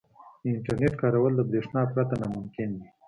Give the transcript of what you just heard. • د انټرنیټ کارول د برېښنا پرته ناممکن دي.